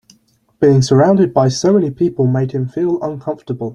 Being surounded by so many people made him feel uncomfortable.